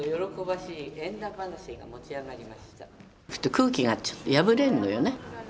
空気がちょっと破れるのよね。